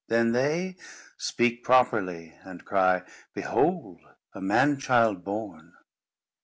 _ then they Speak properly, and cry, _Behold a man child born!